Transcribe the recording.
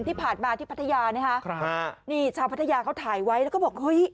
ที่ผ่านมาที่พัทยานะฮะนี่ชาวพัทยาเขาถ่ายไว้แล้วก็บอกเฮ้ย